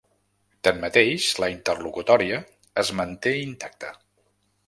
Tanmateix, la interlocutòria es manté intacta.